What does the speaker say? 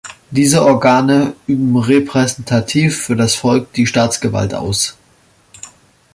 Diese Organe üben repräsentativ für das Volk die Staatsgewalt aus.